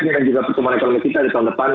dan juga perusahaan ekonomi kita di tahun depan